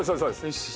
よし！